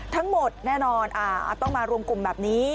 ทั้งหมดแน่นอนต้องมารวมกลุ่มแบบนี้